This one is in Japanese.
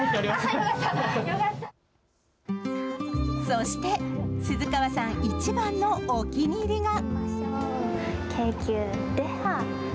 そして鈴川さん一番のお気に入りが。